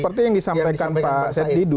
seperti yang disampaikan pak sertidu